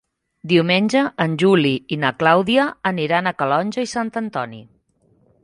Diumenge en Juli i na Clàudia aniran a Calonge i Sant Antoni.